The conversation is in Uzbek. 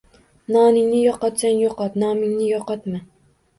Noningni yo'qotsang yo'qot, nomingni yoqotma!